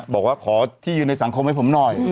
บอกว่าขอที่ยืนในสังคมให้ผมหน่อย